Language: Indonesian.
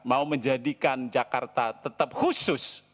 mau menjadikan jakarta tetap khusus